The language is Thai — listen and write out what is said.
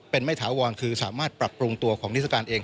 เป็นไม่ถาวรคือสามารถปรับปรุงตัวของนิสการเอง